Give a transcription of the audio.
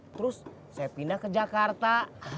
terus saya pindah ke jakarta